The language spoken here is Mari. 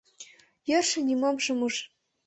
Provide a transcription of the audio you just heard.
Йӧршын нимом шым уж.